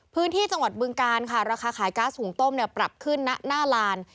พื้นที่จังหวัดบึงการค่ะราคาขายก๊าซหุงต้มเนี่ยปรับขึ้นณหน้าลาน